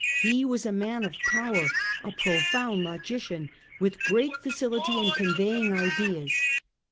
He was a man of power, a profound logician, with great facility in conveying ideas.